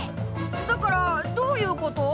だからどういうこと？